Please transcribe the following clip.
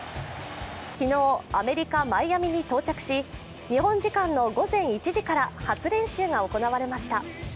昨日、アメリカ・マイアミに到着し、日本時間の午前１時から初練習が行われました。